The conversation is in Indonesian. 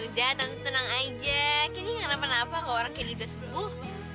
udah tante tenang aja kayaknya gak ada apa apa kalau orang candy udah sembuh